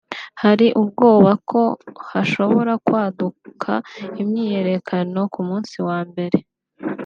Hari Ubwoba ko hashobora kwaduka imyiyerekano ku musi wa mbere